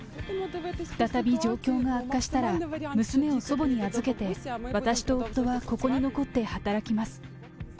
再び状況が悪化したら、娘を祖母に預けて、私と夫はここに残って働きます。